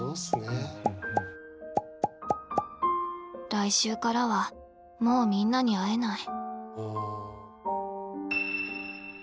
来週からはもうみんなに会えない。